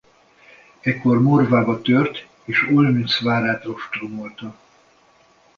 Ekkor Morvába tört és Olmütz várát ostromolta.